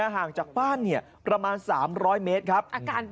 ห่างจากบ้านประมาณ๓๐๐เมตรครับ